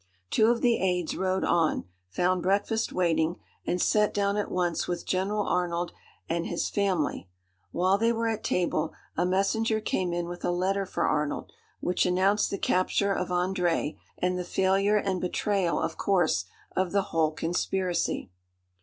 Two of the aides rode on, found breakfast waiting, and sat down at once with General Arnold and his family. While they were at table, a messenger came in with a letter for Arnold, which announced the capture of André, and the failure and betrayal, of course, of the whole conspiracy.